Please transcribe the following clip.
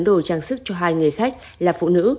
đồ trang sức cho hai người khách là phụ nữ